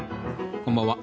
こんばんは。